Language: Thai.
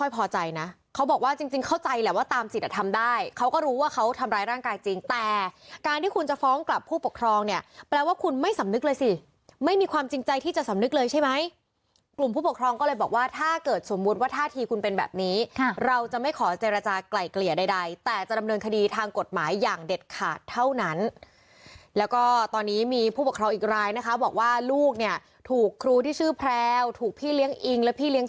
พวกผู้ปกครองเนี่ยแปลว่าคุณไม่สำนึกเลยสิไม่มีความจริงใจที่จะสำนึกเลยใช่ไหมกลุ่มผู้ปกครองก็เลยบอกว่าถ้าเกิดสมมุติว่าท่าทีคุณเป็นแบบนี้เราจะไม่ขอเจรจากล่ายเกลี่ยใดแต่จะดำเนินคดีทางกฎหมายอย่างเด็ดขาดเท่านั้นแล้วก็ตอนนี้มีผู้ปกครองอีกรายนะคะบอกว่าลูกเนี่ยถูกครูที่ชื่อแพรวถูกพี่เลี้ยง